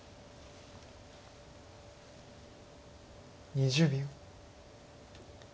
２０秒。